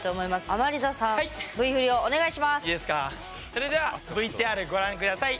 それではＶＴＲご覧下さい。